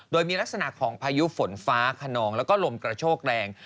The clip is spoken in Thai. โดยมีลักษณะของพายุฝนฟ้าขนองแล้วก็ลมกระโชกแรง